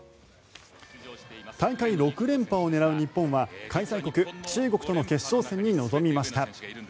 大会６連覇を狙う日本は開催国、中国との決勝戦に臨みました。